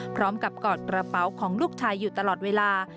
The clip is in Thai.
พร้อมกับกอดกระเป๋าของลูกชายอยู่ตลอดเวลา